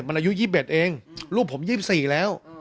มันอายุ๒๑เองลูกผม๒๔แล้ว